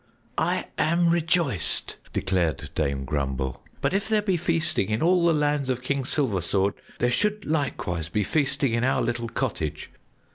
"I am rejoiced!" declared Dame Grumble, "but if there be feasting in all the lands of King Silversword, there should likewise be feasting in our little cottage.